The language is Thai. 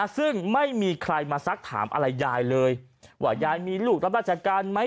ซึ่งไม่มีใครมาซักถามอะไรยายเลยว่ายายมีลูกรับราชการไหม